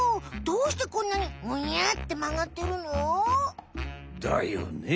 どうしてこんなにグニャってまがってるの？だよね。